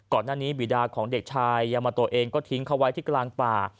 ก่อนหน้านี้บีดาของเด็กชายยามาโตเองก็ทิ้งเขาไว้ที่กลางป่า